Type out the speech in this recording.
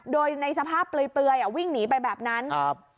โดยในสภาพเปลือยอ่ะวิ่งหนีไปแบบนั้นครับ